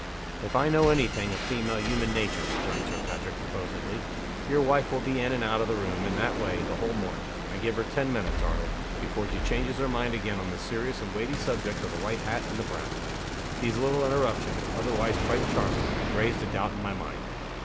"If I know any thing of female human nature," returned Sir Patrick, composedly, "your wife will be in and out of the room, in that way, the whole morning. I give her ten minutes, Arnold, before she changes her mind again on the serious and weighty subject of the white hat and the brown. These little interruptions otherwise quite charming raised a doubt in my mind.